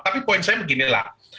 tapi poin saya beginilah